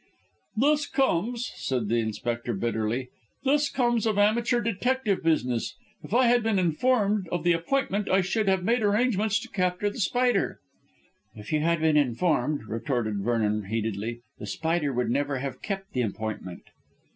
"This comes," said the Inspector bitterly, "this comes of amateur detective business. If I had been informed of the appointment I should have made arrangements to capture The Spider." "If you had been informed," retorted Vernon heatedly, "The Spider would never have kept the appointment."